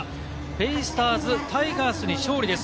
ベイスターズ、タイガースに勝利です。